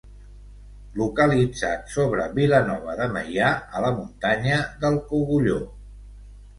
Localitzat sobre Vilanova de Meià, a la muntanya del Cogulló.